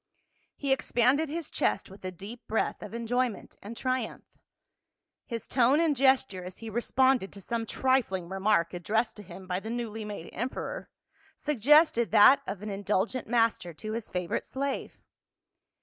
He expanded his chest with a deep breath of enjoy ment and triumph ; his tone and gesture, as he re sponded to some trifling remark addressed to him by the newly made emperor, suggested that of an indul gent master to his favorite slave.